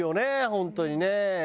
本当にね。